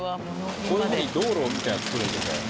こういうふうに道路みたいなのを作るんですね。